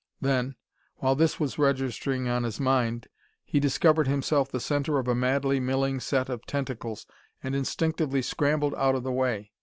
Then, while this was registering on his mind, he discovered himself the center of a madly milling set of tentacles, and instinctively scrambled out of the way.